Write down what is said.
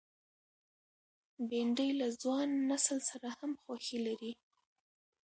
بېنډۍ له ځوان نسل سره هم خوښي لري